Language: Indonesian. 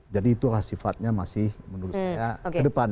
jadi itulah sifatnya masih menurut saya ke depan